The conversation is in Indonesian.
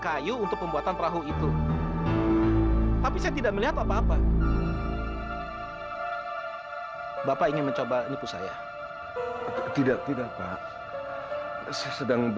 ayah jangan ayah